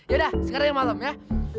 yaudah sekarang malam ya